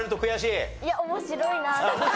いや面白いなって。